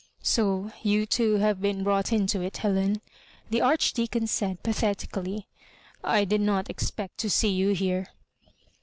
" So you too have been brought into it, Helen/* the Archdeacon said, pathetically ;I did not ex pect to see you here."